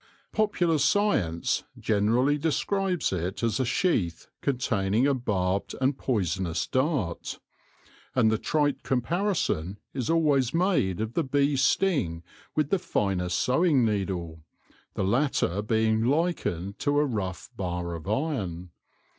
Popular science generally describes it as a sheath containing a barbed and poisonous dart ; and the trite comparison is always made of the bee's sting with the finest sewing needle, the latter being likened to a rough bar of iron.